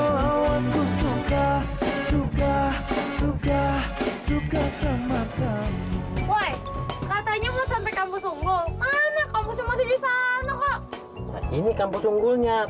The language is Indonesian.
masa pernah tengok